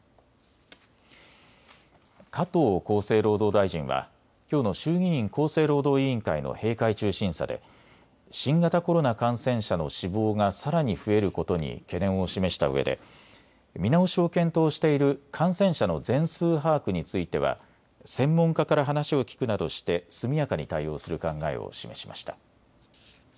加藤厚生労働大臣は、きょうの衆議院厚生労働委員会の閉会中審査で新型コロナ感染者の死亡がさらに増えることに懸念を示したうえで見直しを検討している感染者の全数把握については専門家から話を聞くなどして速やかに対応する考えを示しました。